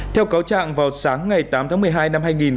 theo cáo trạng vào sáng ngày tám tháng một mươi hai